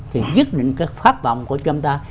thì nhất định cái phát vọng của chúng ta